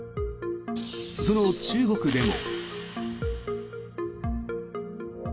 その中国でも。